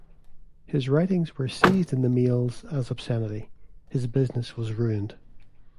His writings were seized in the mails as obscenity; his business was ruined.